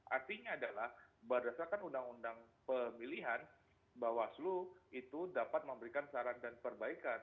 artinya adalah berdasarkan undang undang pemilihan bawaslu itu dapat memberikan saran dan perbaikan